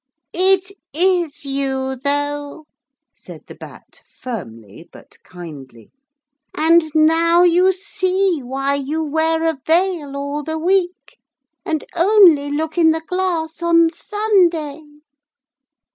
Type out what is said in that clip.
'It is you, though,' said the Bat firmly but kindly; 'and now you see why you wear a veil all the week and only look in the glass on Sunday.'